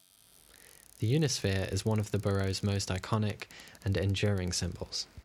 The Unisphere is one of the borough's most iconic and enduring symbols.